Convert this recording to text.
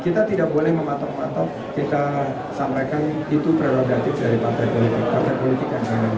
kita tidak boleh mematok matok kita sampaikan itu prerogatif dari partai politik yang lain